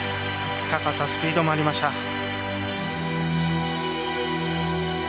高さ、スピードもありました。